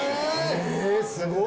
えー、すごい。